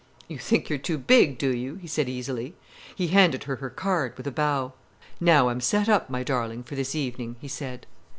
"You think you're too big, do you!" he said easily. He handed her her card, with a bow. "Now I'm set up, my darling, for this evening," he said.